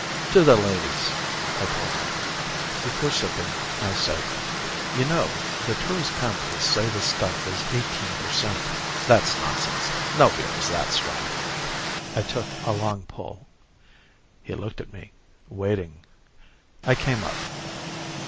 "To the ladies," I told him. Before sipping, I said, "You know, the tourist pamphlets say this stuff is eighteen per cent. That's nonsense. No beer is that strong." I took a long pull. He looked at me, waiting. I came up.